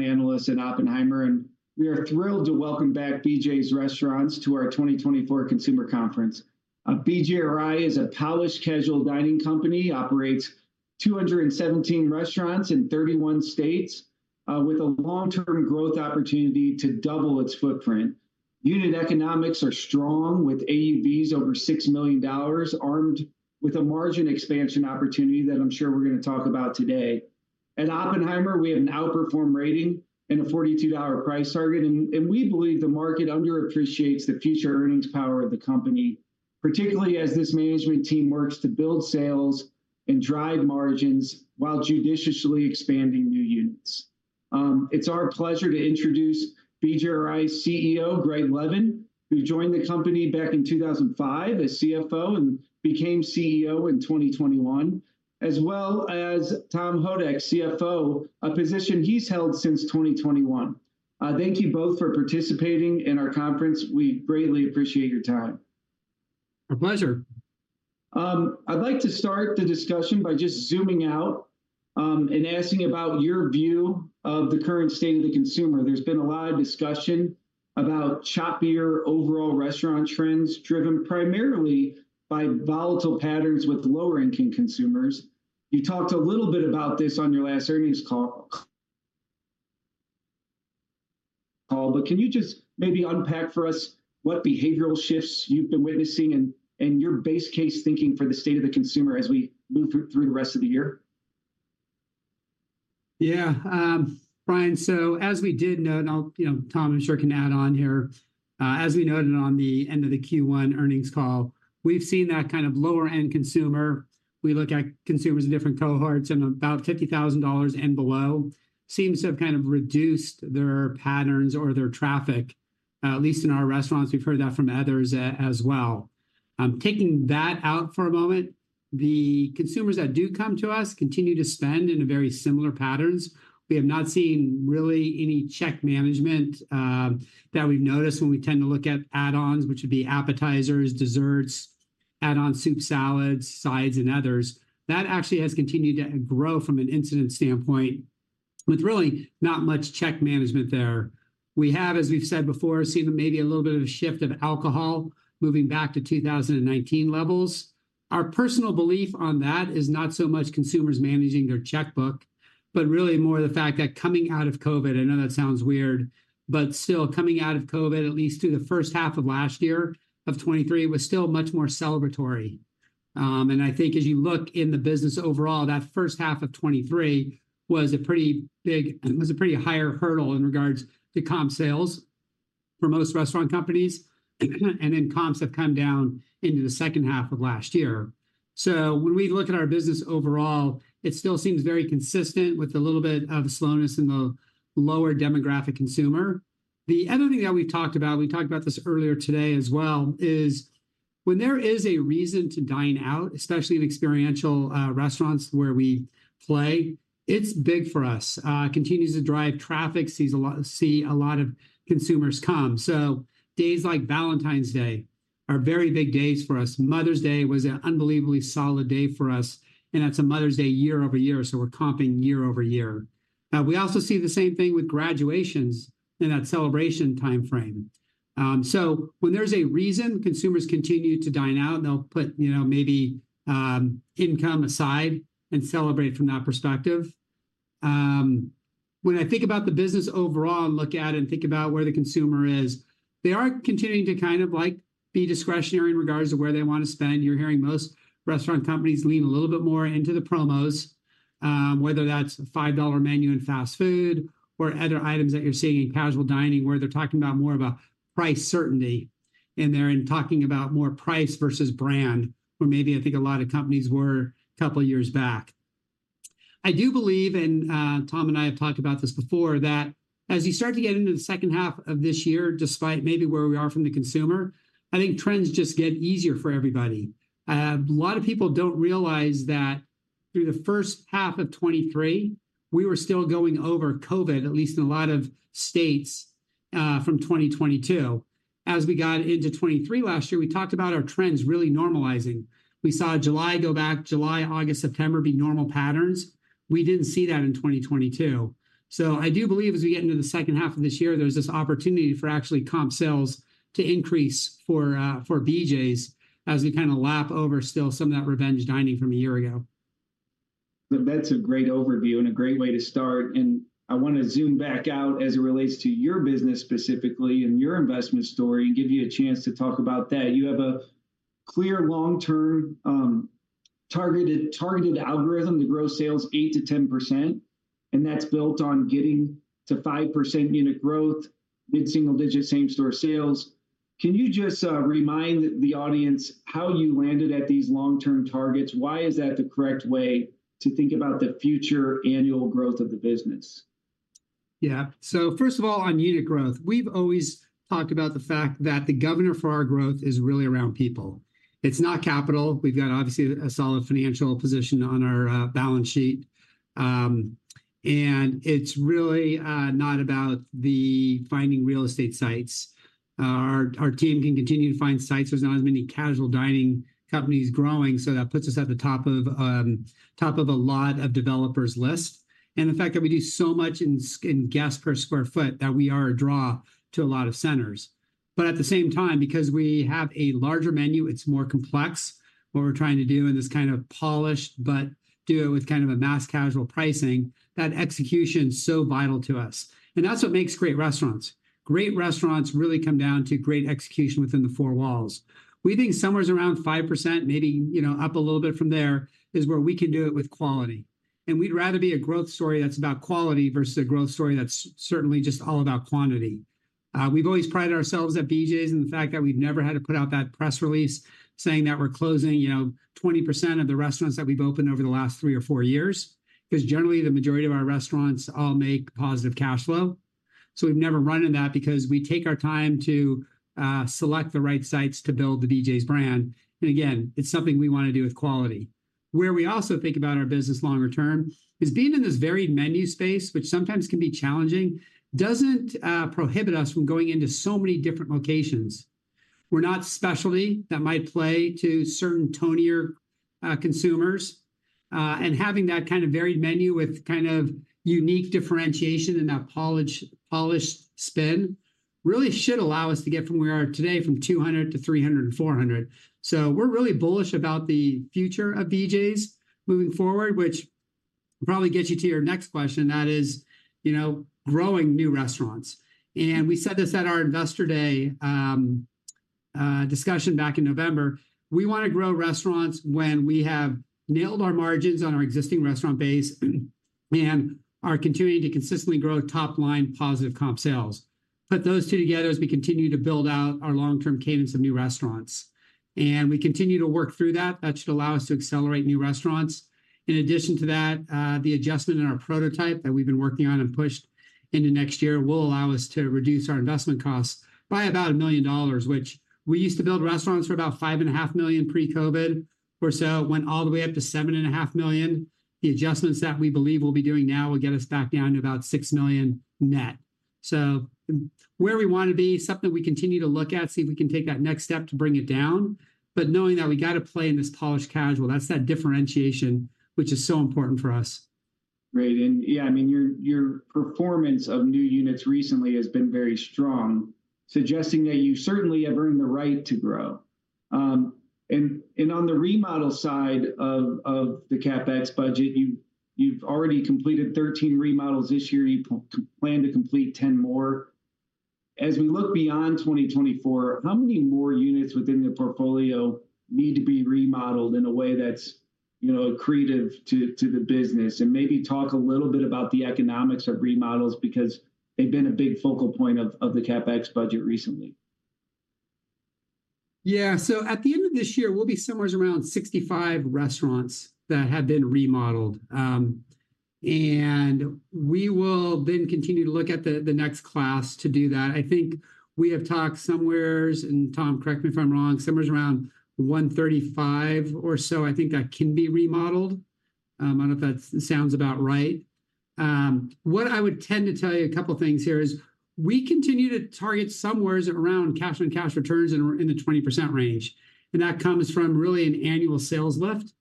Analyst at Oppenheimer, and we are thrilled to welcome back BJ's Restaurants to our 2024 Consumer Conference. BJRI is a polished casual dining company, operates 217 restaurants in 31 states, with a long-term growth opportunity to double its footprint. Unit economics are strong, with AUVs over $6 million, armed with a margin expansion opportunity that I'm sure we're gonna talk about today. At Oppenheimer, we have an Outperform rating and a $42 price target, and, and we believe the market underappreciates the future earnings power of the company, particularly as this management team works to build sales and drive margins while judiciously expanding new units. It's our pleasure to introduce BJRI CEO Greg Levin, who joined the company back in 2005 as CFO and became CEO in 2021, as well as Tom Houdek, CFO, a position he's held since 2021. Thank you both for participating in our conference. We greatly appreciate your time. A pleasure. I'd like to start the discussion by just zooming out, and asking about your view of the current state of the consumer. There's been a lot of discussion about choppier overall restaurant trends, driven primarily by volatile patterns with lower-income consumers. You talked a little bit about this on your last earnings call, but can you just maybe unpack for us what behavioral shifts you've been witnessing and your base case thinking for the state of the consumer as we move through the rest of the year? Yeah, Brian, so as we did note, and I'll you know, Tom, I'm sure, can add on here. As we noted on the end of the Q1 earnings call, we've seen that kind of lower-end consumer. We look at consumers in different cohorts, and about $50,000 and below seems to have kind of reduced their patterns or their traffic, at least in our restaurants. We've heard that from others as well. Taking that out for a moment, the consumers that do come to us continue to spend in a very similar patterns. We have not seen really any check management, that we've noticed when we tend to look at add-ons, which would be appetizers, desserts, add-on soup, salads, sides, and others. That actually has continued to grow from an incident standpoint, with really not much check management there. We have, as we've said before, seen maybe a little bit of a shift of alcohol moving back to 2019 levels. Our personal belief on that is not so much consumers managing their checkbook, but really more the fact that coming out of COVID, I know that sounds weird, but still coming out of COVID, at least through the first half of last year, of 2023, was still much more celebratory. And I think as you look in the business overall, that first half of 2023 was a pretty high hurdle in regards to comp sales for most restaurant companies, and then comps have come down into the second half of last year. So when we look at our business overall, it still seems very consistent with a little bit of slowness in the lower demographic consumer. The other thing that we've talked about, we talked about this earlier today as well, is when there is a reason to dine out, especially in experiential restaurants where we play, it's big for us. Continues to drive traffic, see a lot of consumers come. So days like Valentine's Day are very big days for us. Mother's Day was an unbelievably solid day for us, and that's a Mother's Day year-over-year, so we're comping year-over-year. We also see the same thing with graduations in that celebration timeframe. So when there's a reason, consumers continue to dine out, and they'll put, you know, maybe income aside and celebrate from that perspective. When I think about the business overall and look at it and think about where the consumer is, they are continuing to kind of, like, be discretionary in regards to where they want to spend. You're hearing most restaurant companies lean a little bit more into the promos, whether that's a $5 menu in fast food or other items that you're seeing in casual dining, where they're talking about more of a price certainty in there and talking about more price versus brand, where maybe I think a lot of companies were a couple of years back. I do believe, and, Tom and I have talked about this before, that as you start to get into the second half of this year, despite maybe where we are from the consumer, I think trends just get easier for everybody. A lot of people don't realize that through the first half of 2023, we were still going over COVID, at least in a lot of states, from 2022. As we got into 2023 last year, we talked about our trends really normalizing. We saw July go back, July, August, September, be normal patterns. We didn't see that in 2022. So I do believe as we get into the second half of this year, there's this opportunity for actually comp sales to increase for BJ's as we kind of lap over still some of that revenge dining from a year ago. That's a great overview and a great way to start, and I wanna zoom back out as it relates to your business specifically and your investment story and give you a chance to talk about that. You have a clear long-term targeted targeted algorithm to grow sales 8%-10%, and that's built on getting to 5% unit growth, mid-single digit same-store sales. Can you just remind the audience how you landed at these long-term targets? Why is that the correct way to think about the future annual growth of the business? Yeah. So first of all, on unit growth, we've always talked about the fact that the governor for our growth is really around people. It's not capital. We've got, obviously, a solid financial position on our balance sheet. And it's really not about the finding real estate sites. Our team can continue to find sites. There's not as many casual dining companies growing, so that puts us at the top of top of a lot of developers' lists. And the fact that we do so much in guests per square foot, that we are a draw to a lot of centers. But at the same time, because we have a larger menu, it's more complex, what we're trying to do in this kind of polished, but do it with kind of a mass casual pricing, that execution's so vital to us. That's what makes great restaurants. Great restaurants really come down to great execution within the four walls. We think somewhere around 5%, maybe, you know, up a little bit from there, is where we can do it with quality. And we'd rather be a growth story that's about quality versus a growth story that's certainly just all about quantity. We've always prided ourselves at BJ's in the fact that we've never had to put out that press release saying that we're closing, you know, 20% of the restaurants that we've opened over the last three or four years, 'cause generally, the majority of our restaurants all make positive cash flow. So we've never run into that because we take our time to select the right sites to build the BJ's brand. And again, it's something we wanna do with quality. Where we also think about our business longer term is being in this varied menu space, which sometimes can be challenging, doesn't prohibit us from going into so many different locations. We're not specialty that might play to certain tonier consumers. And having that kind of varied menu with kind of unique differentiation and that polish, polished spin, really should allow us to get from where we are today, from 200 to 300 and 400. So we're really bullish about the future of BJ's moving forward, which probably gets you to your next question, that is, you know, growing new restaurants. And we said this at our Investor Day discussion back in November, we wanna grow restaurants when we have nailed our margins on our existing restaurant base, and are continuing to consistently grow top line positive comp sales. Put those two together as we continue to build out our long-term cadence of new restaurants. We continue to work through that. That should allow us to accelerate new restaurants. In addition to that, the adjustment in our prototype that we've been working on and pushed into next year will allow us to reduce our investment costs by about $1 million, which we used to build restaurants for about $5.5 million pre-COVID, or so it went all the way up to $7.5 million. The adjustments that we believe we'll be doing now will get us back down to about $6 million net. So where we wanna be, something we continue to look at, see if we can take that next step to bring it down, but knowing that we got to play in this polished casual, that's that differentiation, which is so important for us. Great. And yeah, I mean, your, your performance of new units recently has been very strong, suggesting that you certainly have earned the right to grow. And on the remodel side of the CapEx budget, you, you've already completed 13 remodels this year. You plan to complete 10 more. As we look beyond 2024, how many more units within the portfolio need to be remodeled in a way that's, you know, accretive to the business? And maybe talk a little bit about the economics of remodels, because they've been a big focal point of the CapEx budget recently. Yeah, so at the end of this year, we'll be somewhere around 65 restaurants that have been remodeled. And we will then continue to look at the next class to do that. I think we have talked somewhere, and Tom, correct me if I'm wrong, somewhere around 135 or so, I think that can be remodeled. I don't know if that sounds about right. What I would tend to tell you a couple things here is, we continue to target somewhere around cash-on-cash returns in the 20% range, and that comes from really an annual sales lift.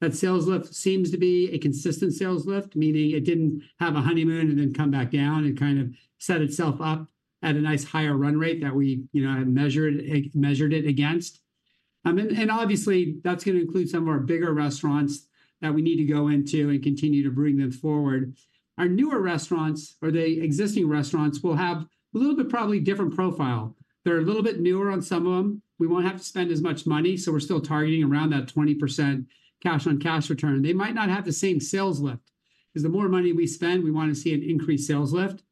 That sales lift seems to be a consistent sales lift, meaning it didn't have a honeymoon and then come back down and kind of set itself up at a nice higher run rate that we, you know, had measured it against. And, and obviously, that's gonna include some of our bigger restaurants that we need to go into and continue to bring them forward. Our newer restaurants, or the existing restaurants, will have a little bit probably different profile. They're a little bit newer on some of them. We won't have to spend as much money, so we're still targeting around that 20% cash-on-cash return. They might not have the same sales lift, because the more money we spend, we wanna see an increased sales lift.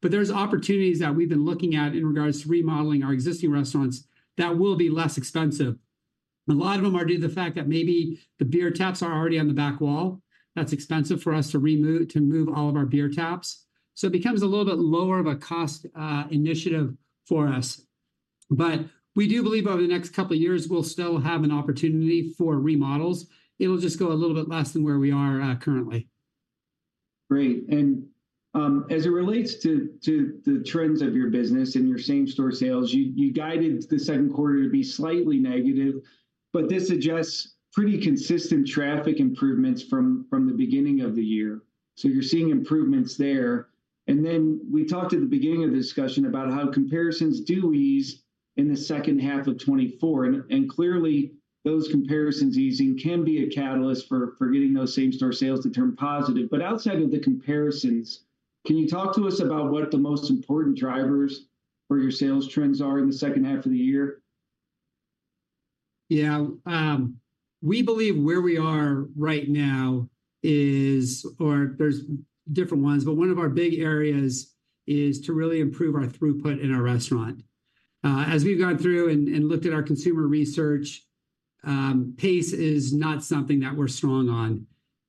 But there's opportunities that we've been looking at in regards to remodeling our existing restaurants that will be less expensive. A lot of them are due to the fact that maybe the beer taps are already on the back wall. That's expensive for us to remove, to move all of our beer taps. So it becomes a little bit lower of a cost initiative for us. But we do believe over the next couple of years, we'll still have an opportunity for remodels. It'll just go a little bit less than where we are, currently. Great. And, as it relates to the trends of your business and your same-store sales, you guided the second quarter to be slightly negative, but this suggests pretty consistent traffic improvements from the beginning of the year. So you're seeing improvements there. And then we talked at the beginning of the discussion about how comparisons do ease in the second half of 2024, and clearly, those comparisons easing can be a catalyst for getting those same-store sales to turn positive. But outside of the comparisons, can you talk to us about what are the most important drivers for your sales trends are in the second half of the year? Yeah, we believe where we are right now is, or there's different ones, but one of our big areas is to really improve our throughput in our restaurant. As we've gone through and looked at our consumer research, pace is not something that we're strong on,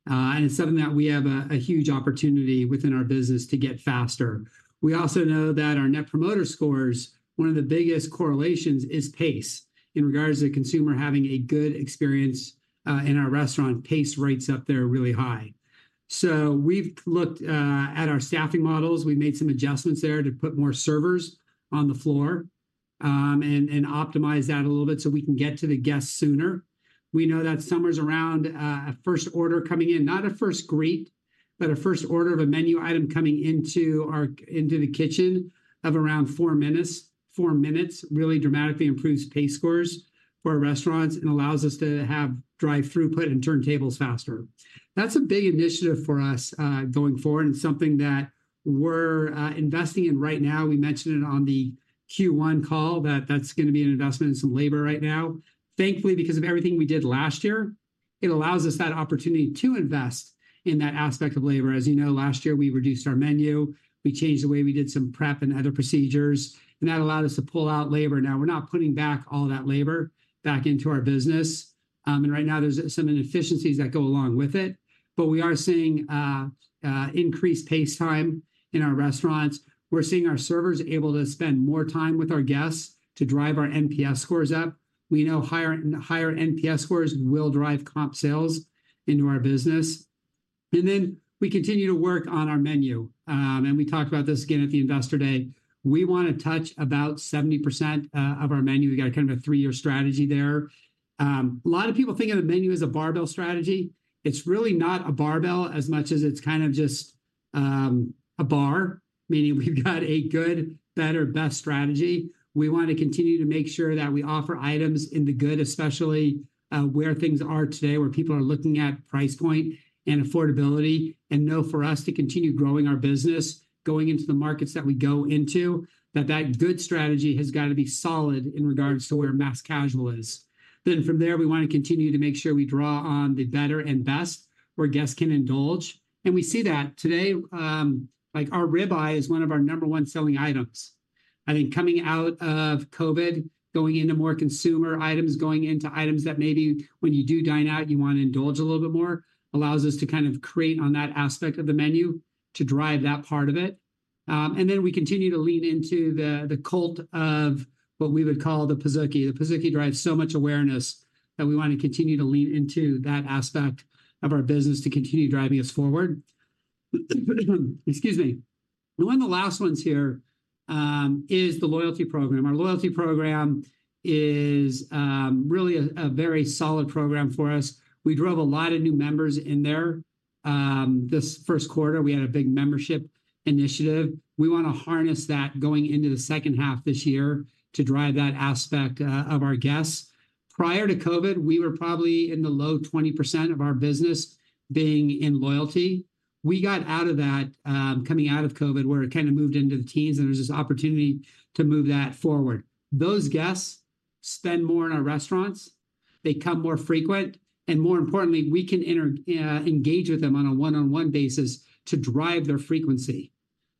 and it's something that we have a huge opportunity within our business to get faster. We also know that our Net Promoter Scores, one of the biggest correlations is pace. In regards to the consumer having a good experience in our restaurant, pace rates up there are really high. So we've looked at our staffing models. We made some adjustments there to put more servers on the floor, and optimize that a little bit so we can get to the guests sooner. We know that summers around a first order coming in, not a first greet, but a first order of a menu item coming into our, into the kitchen of around four minutes. Four minutes really dramatically improves pace scores for our restaurants and allows us to have throughput and turn tables faster. That's a big initiative for us going forward, and something that we're investing in right now. We mentioned it on the Q1 call, that that's gonna be an investment in some labor right now. Thankfully, because of everything we did last year, it allows us that opportunity to invest in that aspect of labor. As you know, last year, we reduced our menu, we changed the way we did some prep and other procedures, and that allowed us to pull out labor. Now, we're not putting back all that labor back into our business, and right now there's some inefficiencies that go along with it. But we are seeing increased pace time in our restaurants. We're seeing our servers able to spend more time with our guests to drive our NPS scores up. We know higher, higher NPS scores will drive comp sales into our business. And then, we continue to work on our menu. And we talked about this again at the Investor Day. We wanna touch about 70% of our menu. We've got kind of a three-year strategy there. A lot of people think of a menu as a barbell strategy. It's really not a barbell as much as it's kind of just a bar, meaning we've got a good, better, best strategy. We wanna continue to make sure that we offer items in the Good, especially, where things are today, where people are looking at price point and affordability. And know for us to continue growing our business, going into the markets that we go into, that that Good strategy has gotta be solid in regards to where mass casual is. Then from there, we wanna continue to make sure we draw on the Better and Best, where guests can indulge. And we see that today, like our Rib-Eye is one of our number one selling items. I think coming out of COVID, going into more consumer items, going into items that maybe when you do dine out, you wanna indulge a little bit more, allows us to kind of create on that aspect of the menu to drive that part of it. And then we continue to lean into the cult of what we would call the Pizookie. The Pizookie drives so much awareness that we wanna continue to lean into that aspect of our business to continue driving us forward. Excuse me. One of the last ones here is the loyalty program. Our loyalty program is really a very solid program for us. We drove a lot of new members in there. This first quarter, we had a big membership initiative. We wanna harness that going into the second half this year to drive that aspect of our guests. Prior to COVID, we were probably in the low 20% of our business being in loyalty. We got out of that coming out of COVID, where it kind of moved into the teens, and there was this opportunity to move that forward. Those guests spend more in our restaurants, they come more frequent, and more importantly, we can engage with them on a one-on-one basis to drive their frequency.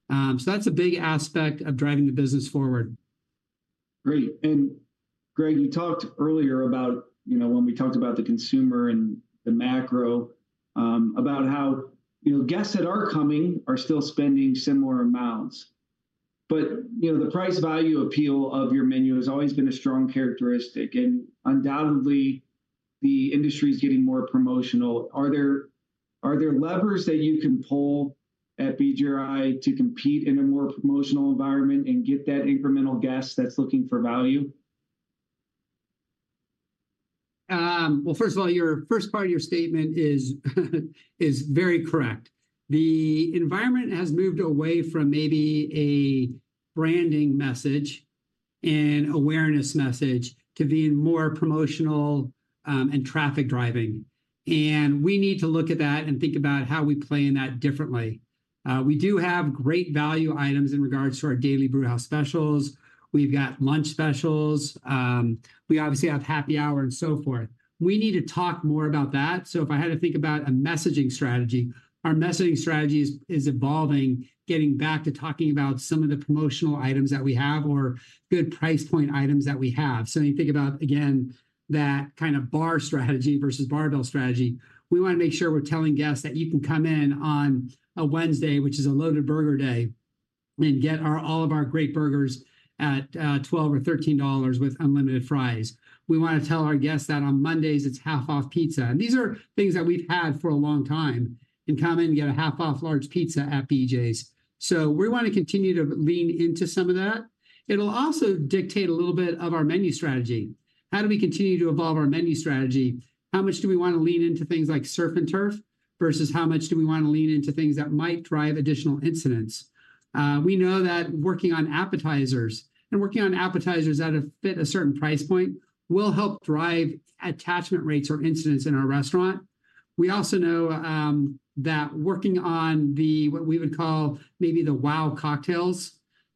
So that's a big aspect of driving the business forward. Great, and Greg, you talked earlier about, you know, when we talked about the consumer and the macro, about how, you know, guests that are coming are still spending similar amounts. But, you know, the price value appeal of your menu has always been a strong characteristic, and undoubtedly, the industry is getting more promotional. Are there, are there levers that you can pull at BJRI to compete in a more promotional environment and get that incremental guest that's looking for value? Well, first of all, your first part of your statement is, is very correct. The environment has moved away from maybe a branding message and awareness message to being more promotional, and traffic driving. And we need to look at that and think about how we play in that differently. We do have great value items in regards to our Daily Brewhouse Specials. We've got lunch specials. We obviously have happy hour and so forth. We need to talk more about that. So if I had to think about a messaging strategy, our messaging strategy is, is evolving, getting back to talking about some of the promotional items that we have or good price point items that we have. So when you think about, again, that kind of bar strategy versus barbell strategy, we wanna make sure we're telling guests that you can come in on a Wednesday, which is a loaded burger day, and get our, all of our great burgers at $12 or $13 with unlimited fries. We wanna tell our guests that on Mondays, it's half-off pizza, and these are things that we've had for a long time. You can come in and get a half-off large pizza at BJ's. So we wanna continue to lean into some of that. It'll also dictate a little bit of our menu strategy. How do we continue to evolve our menu strategy? How much do we wanna lean into things like surf and turf, versus how much do we wanna lean into things that might drive additional incidents? We know that working on appetizers, and working on appetizers that fit a certain price point, will help drive attachment rates or incidents in our restaurant. We also know that working on the, what we would call maybe the wow cocktails,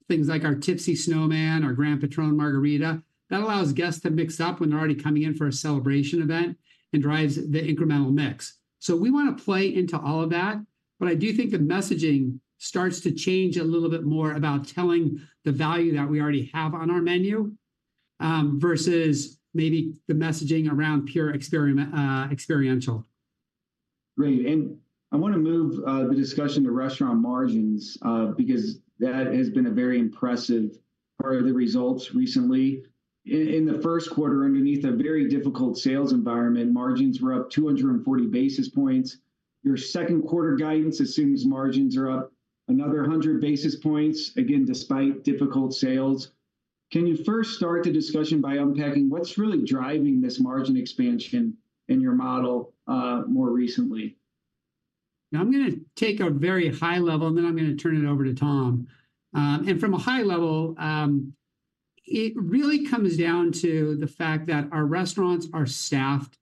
things like our Tipsy Snowman, our Grand Patrón Margarita, that allows guests to mix up when they're already coming in for a celebration event and drives the incremental mix. So we wanna play into all of that, but I do think the messaging starts to change a little bit more about telling the value that we already have on our menu, versus maybe the messaging around pure experiential. Great, and I wanna move the discussion to restaurant margins, because that has been a very impressive part of the results recently. In the first quarter, underneath a very difficult sales environment, margins were up 240 basis points. Your second quarter guidance assumes margins are up another 100 basis points, again, despite difficult sales. Can you first start the discussion by unpacking what's really driving this margin expansion in your model, more recently? Now, I'm gonna take a very high level, and then I'm gonna turn it over to Tom. And from a high level, it really comes down to the fact that our restaurants are staffed,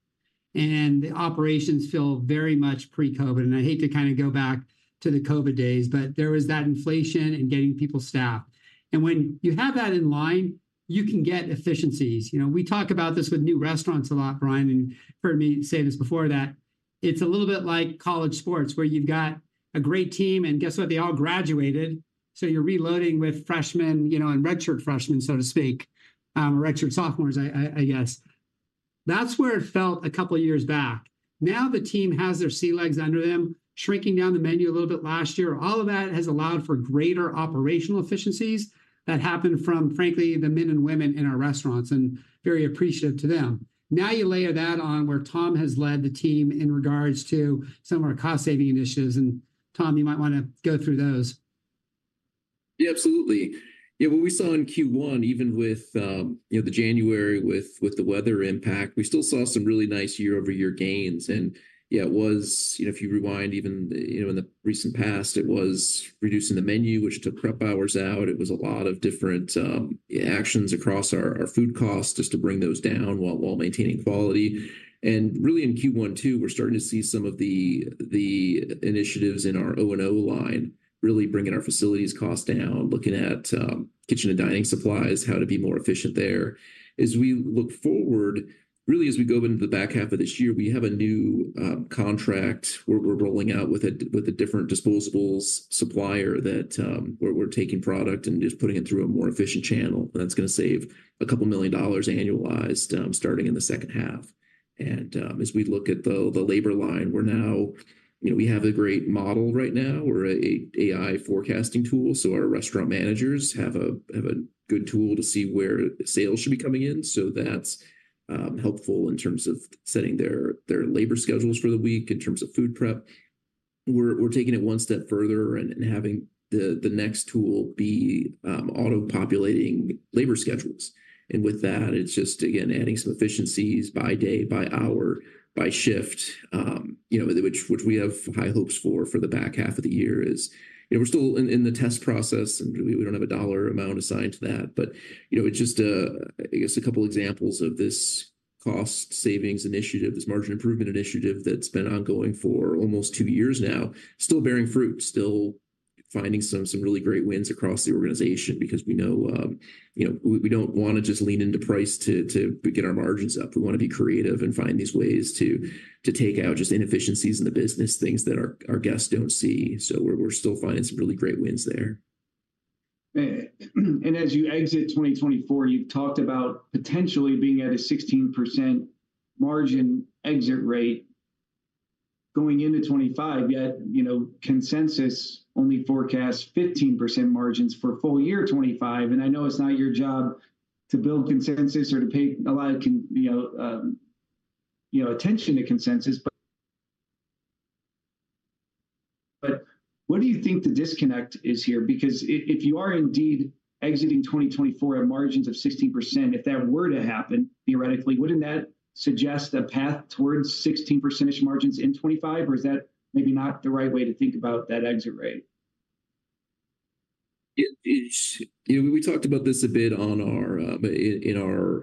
and the operations feel very much pre-COVID. And I hate to kind of go back to the COVID days, but there was that inflation in getting people staffed. And when you have that in line, you can get efficiencies. You know, we talk about this with new restaurants a lot, Brian, and you've heard me say this before, that it's a little bit like college sports, where you've got a great team, and guess what? They all graduated. So you're reloading with freshmen, you know, and red shirt freshmen, so to speak, or red shirt sophomores, I guess. That's where it felt a couple years back. Now, the team has their sea legs under them, shrinking down the menu a little bit last year. All of that has allowed for greater operational efficiencies that happened from, frankly, the men and women in our restaurants, and very appreciative to them. Now, you layer that on where Tom has led the team in regards to some of our cost-saving initiatives, and Tom, you might wanna go through those. Yeah, absolutely. Yeah, what we saw in Q1, even with, you know, the January, with the weather impact, we still saw some really nice year-over-year gains. And yeah, it was, you know, if you rewind even, you know, in the recent past, it was reducing the menu, which took prep hours out. It was a lot of different actions across our food costs, just to bring those down, while maintaining quality. And really, in Q1 too, we're starting to see some of the initiatives in our O&O line really bringing our facilities cost down, looking at kitchen and dining supplies, how to be more efficient there. As we look forward, really, as we go into the back half of this year, we have a new contract we're rolling out with a different disposables supplier that we're taking product and just putting it through a more efficient channel, and that's gonna save $2 million annualized, starting in the second half. As we look at the labor line, we're now, you know, we have a great model right now. We have an AI forecasting tool, so our restaurant managers have a good tool to see where sales should be coming in, so that's helpful in terms of setting their labor schedules for the week in terms of food prep. We're taking it one step further and having the next tool be auto-populating labor schedules. With that, it's just, again, adding some efficiencies by day, by hour, by shift, you know, which we have high hopes for the back half of the year. We're still in the test process, and we don't have a dollar amount assigned to that. But, you know, it's just a couple examples of this cost savings initiative, this margin improvement initiative that's been ongoing for almost two years now, still bearing fruit, still finding some really great wins across the organization. Because we know, you know, we don't wanna just lean into price to get our margins up. We wanna be creative and find these ways to take out just inefficiencies in the business, things that our guests don't see. So we're still finding some really great wins there. And as you exit 2024, you've talked about potentially being at a 16% margin exit rate going into 2025, yet, you know, consensus only forecasts 15% margins for full year 2025. And I know it's not your job to build consensus or to pay a lot of, you know, attention to consensus, but what do you think the disconnect is here? Because if you are indeed exiting 2024 at margins of 16%, if that were to happen, theoretically, wouldn't that suggest a path towards 16% margins in 2025, or is that maybe not the right way to think about that exit rate? It's you know, we talked about this a bit on our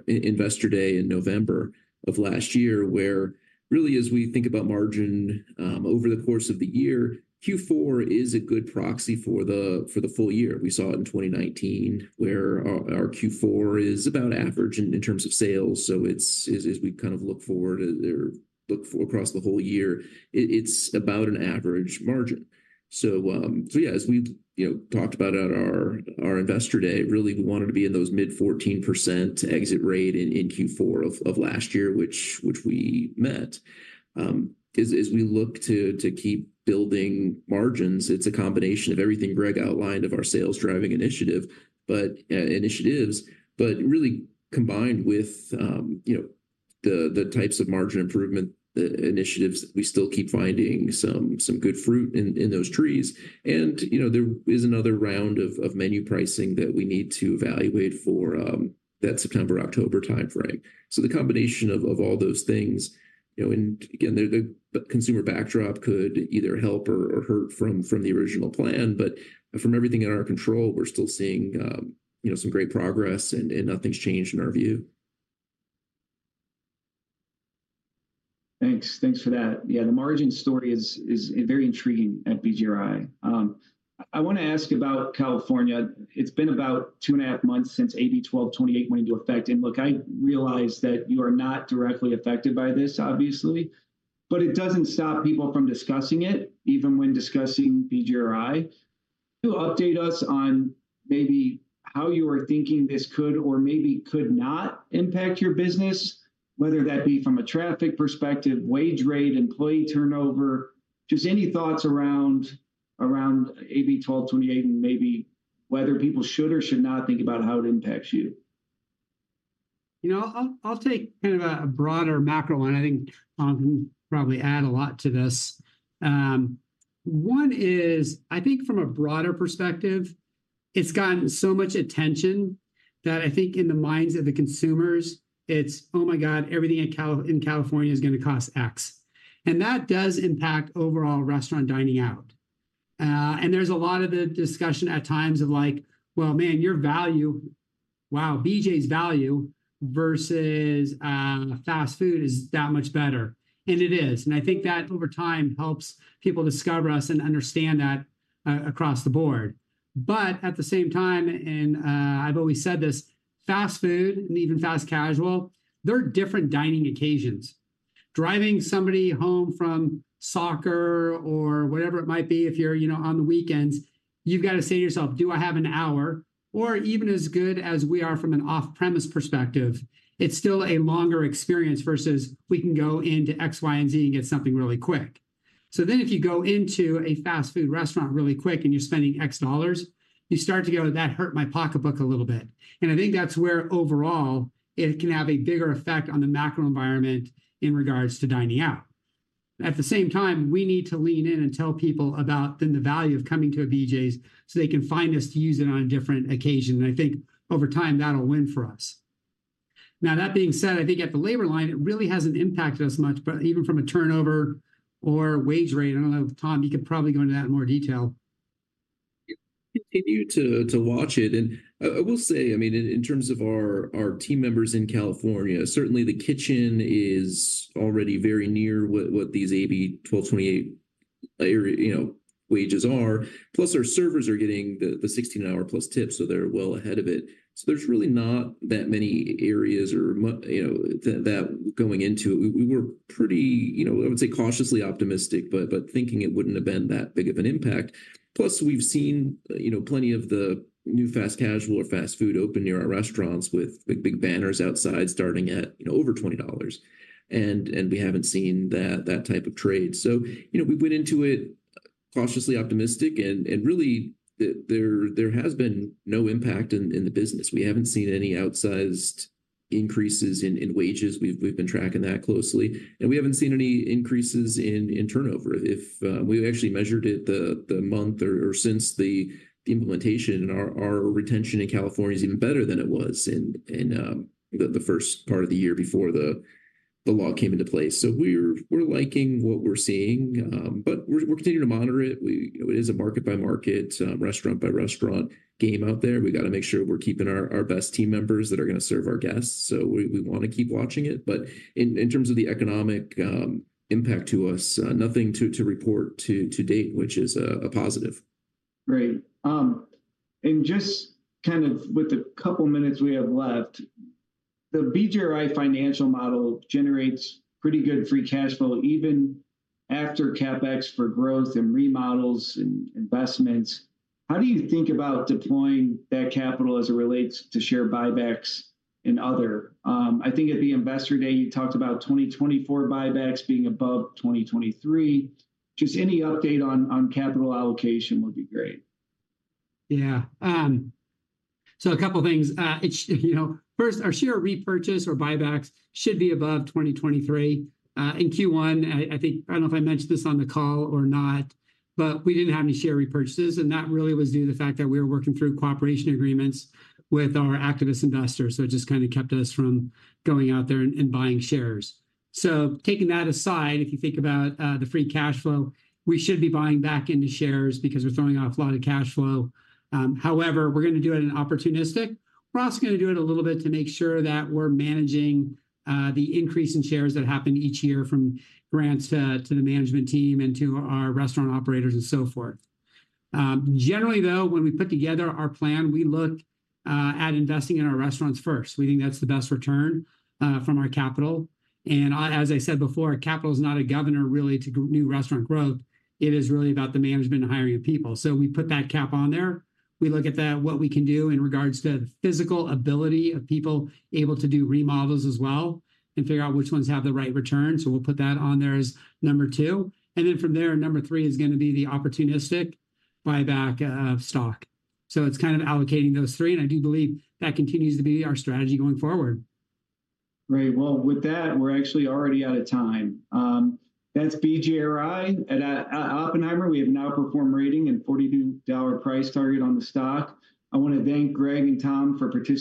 Investor Day in November of last year, where really, as we think about margin over the course of the year, Q4 is a good proxy for the full year. We saw it in 2019, where our Q4 is about average in terms of sales, so it's, as we kind of look forward across the whole year, it's about an average margin. So, yeah, as we, you know, talked about at our Investor Day, really we wanted to be in those mid-14% exit rate in Q4 of last year, which we met. As we look to keep building margins, it's a combination of everything Greg outlined of our sales-driving initiatives, but really combined with, you know, the types of margin improvement, the initiatives, we still keep finding some good fruit in those trees. And, you know, there is another round of menu pricing that we need to evaluate for that September-October timeframe. So the combination of all those things, you know, and again, the consumer backdrop could either help or hurt from the original plan. But from everything in our control, we're still seeing, you know, some great progress, and nothing's changed in our view. Thanks. Thanks for that. Yeah, the margin story is very intriguing at BJRI. I wanna ask about California. It's been about two and a half months since AB 1228 went into effect. And look, I realize that you are not directly affected by this, obviously, but it doesn't stop people from discussing it, even when discussing BJRI. Can you update us on maybe how you are thinking this could or maybe could not impact your business, whether that be from a traffic perspective, wage rate, employee turnover? Just any thoughts around AB 1228, and maybe whether people should or should not think about how it impacts you? You know, I'll take kind of a broader macro one. I think probably add a lot to this. One is, I think from a broader perspective, it's gotten so much attention that I think in the minds of the consumers, it's, "Oh, my God, everything in California is gonna cost X." And that does impact overall restaurant dining out. And there's a lot of the discussion at times of like, "Well, man, your value, wow, BJ's value versus fast food is that much better," and it is. And I think that over time helps people discover us and understand that across the board. But at the same time, and, I've always said this, fast food and even fast casual, they're different dining occasions. Driving somebody home from soccer or whatever it might be, if you're, you know, on the weekends, you've got to say to yourself, "Do I have an hour?" Or even as good as we are from an off-premise perspective, it's still a longer experience versus we can go into X, Y, and Z and get something really quick. So then if you go into a fast food restaurant really quick and you're spending X dollars, you start to go, "That hurt my pocketbook a little bit." And I think that's where, overall, it can have a bigger effect on the macro environment in regards to dining out. At the same time, we need to lean in and tell people about then the value of coming to a BJ's, so they can find us to use it on different occasions. And I think over time, that'll win for us. Now, that being said, I think at the labor line, it really hasn't impacted us much, but even from a turnover or wage rate, I don't know, Tom, you could probably go into that in more detail. We continue to watch it, and I will say, I mean, in terms of our team members in California, certainly the kitchen is already very near what these AB 1228 wages are. Plus, our servers are getting the $16 an hour plus tips, so they're well ahead of it. So there's really not that many areas or you know, that going into it. We were pretty, you know, I would say cautiously optimistic, but thinking it wouldn't have been that big of an impact. Plus, we've seen, you know, plenty of the new fast casual or fast food open near our restaurants with big, big banners outside, starting at, you know, over $20, and we haven't seen that type of trade. So, you know, we went into it cautiously optimistic, and there has been no impact in the business. We haven't seen any outsized increases in wages. We've been tracking that closely, and we haven't seen any increases in turnover. We've actually measured it the month or so since the implementation, and our retention in California is even better than it was in the first part of the year before the law came into place. So we're liking what we're seeing, but we're continuing to monitor it. You know, it is a market-by-market, restaurant-by-restaurant game out there. We've got to make sure we're keeping our best team members that are gonna serve our guests, so we want to keep watching it. But in terms of the economic impact to us, nothing to report to date, which is a positive. Great. Just kind of with the couple minutes we have left, the BJRI financial model generates pretty good free cash flow, even after CapEx for growth and remodels and investments. How do you think about deploying that capital as it relates to share buybacks and other? I think at the Investor Day, you talked about 2024 buybacks being above 2023. Just any update on capital allocation would be great. Yeah. So a couple things. It's, you know, first, our share repurchase or buybacks should be above 2023. In Q1, I think, I don't know if I mentioned this on the call or not, but we didn't have any share repurchases, and that really was due to the fact that we were working through cooperation agreements with our activist investors. So it just kinda kept us from going out there and buying shares. So taking that aside, if you think about the free cash flow, we should be buying back into shares because we're throwing off a lot of cash flow. However, we're gonna do it in an opportunistic. We're also gonna do it a little bit to make sure that we're managing the increase in shares that happen each year from grants to the management team and to our restaurant operators and so forth. Generally, though, when we put together our plan, we look at investing in our restaurants first. We think that's the best return from our capital. And, as I said before, capital is not a governor really to new restaurant growth. It is really about the management and hiring of people. So we put that cap on there. We look at that, what we can do in regards to the physical ability of people able to do remodels as well and figure out which ones have the right return. So we'll put that on there as number two. And then from there, number three is gonna be the opportunistic buyback, stock. So it's kind of allocating those three, and I do believe that continues to be our strategy going forward. Great. Well, with that, we're actually already out of time. That's BJRI. At Oppenheimer, we have an Outperform rating and $42 price target on the stock. I want to thank Greg and Tom for participating.